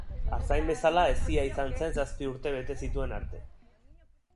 Artzain bezala hezia izan zen zazpi urte bete zituen arte.